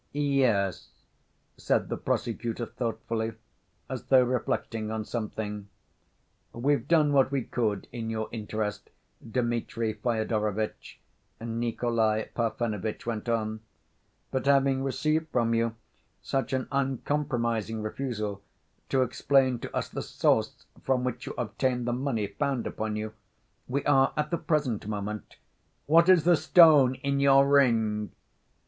"Yes," said the prosecutor thoughtfully, as though reflecting on something. "We've done what we could in your interest, Dmitri Fyodorovitch," Nikolay Parfenovitch went on, "but having received from you such an uncompromising refusal to explain to us the source from which you obtained the money found upon you, we are, at the present moment—" "What is the stone in your ring?"